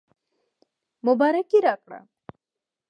مبارکي راکړه.